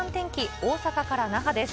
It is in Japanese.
大阪から那覇です。